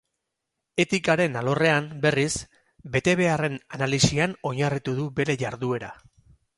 Etikaren alorrean, berriz, betebeharren analisian oinarritu du bere jarduera.